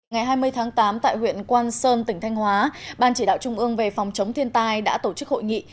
ngày hai mươi tháng tám tại huyện quan sơn tỉnh thanh hóa ban chỉ đạo trung ương về phòng chống thiên tai đã tổ chức hội nghị